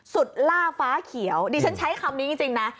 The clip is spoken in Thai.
ล่าฟ้าเขียวดิฉันใช้คำนี้จริงนะ